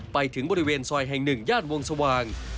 ไปถึงบริเวณซอยแห่งหนึ่งญาติวงสว่าง